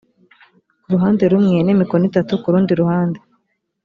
ku ruhande rumwe n’imikono itatu ku rundi ruhande